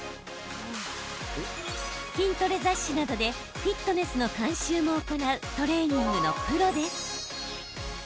筋トレ雑誌などでフィットネスの監修も行うトレーニングのプロです。